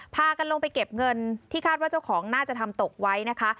พากันลงไปเก็บเงินที่คาดว่าเจ้าของน่าจะทำตกไว้นะคะ